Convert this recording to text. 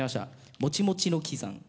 もちもちの木さん。